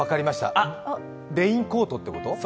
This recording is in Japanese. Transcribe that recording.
レインコートってこと？